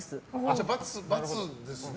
じゃあ、×ですね。